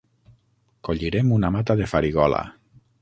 Collirem una mata de farigola.